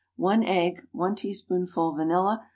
1 egg. 1 teaspoonful vanilla.